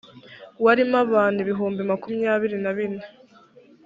warimo abantu ibihumbi makumyabiri na bine